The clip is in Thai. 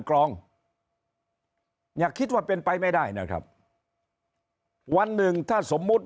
กรองอย่าคิดว่าเป็นไปไม่ได้นะครับวันหนึ่งถ้าสมมุติ